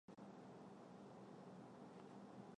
有腺泡花树为清风藤科泡花树属下的一个变种。